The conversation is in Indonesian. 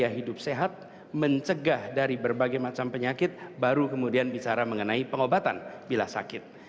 dia hidup sehat mencegah dari berbagai macam penyakit baru kemudian bicara mengenai pengobatan bila sakit